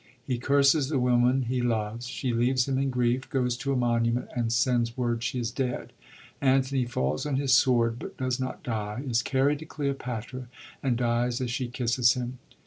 He cnrses the .woman he loves ; she leaves him in grief, goes to a monument, and sends word she is dead. Antony falls on his sword, but does not die, is carried to Cleopatra, and dies as she kisses him.